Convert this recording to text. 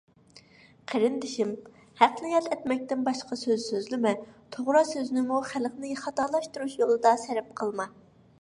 قېرىندىشىم، ھەقنى ياد ئەتمەكتىن باشقا سۆز سۆزلىمە. توغرا سۆزنىمۇ خەلقنى خاتالاشتۇرۇش يولىدا سەرپ قىلما.